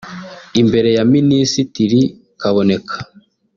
Imbere ya Minisitiri Kaboneka